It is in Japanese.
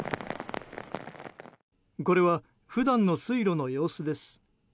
これは普段の水路の様子です。